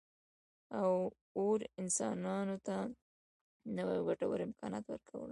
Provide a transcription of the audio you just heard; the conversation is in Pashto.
اور انسانانو ته نوي او ګټور امکانات ورکړل.